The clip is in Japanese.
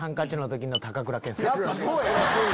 やっぱそうやん！